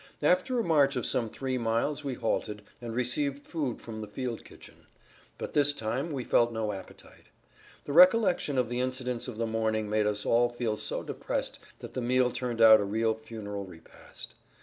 After a march of some 3 miles we halted, and received food from the field kitchen. But this time we felt no appetite. The recollection of the incidents of the morning made all of us feel so depressed that the meal turned out a real funeral repast.